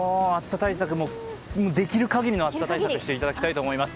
もう、できるかぎりの暑さ対策していただきたいと思います。